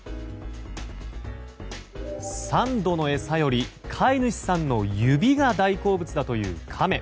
三度の餌より飼い主さんの指が大好物だというカメ。